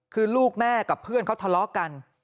คือลูกแม่กับเพื่อนเขาทะเลาะกัน